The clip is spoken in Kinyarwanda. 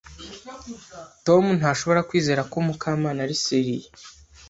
Tom ntashobora kwizera ko Mukamana ari serieux.